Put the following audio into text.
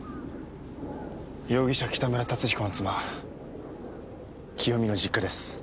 容疑者北村達彦の妻清美の実家です。